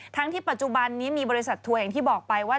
ทั้งที่ปัจจุบันนี้มีบริษัททัวร์อย่างที่บอกไปว่า